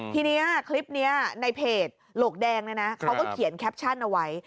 ทีนี้คลิปนี้ในเพจโหลกแดงเนี่ยนะเขาก็เขียนแคปชั่นเอาไว้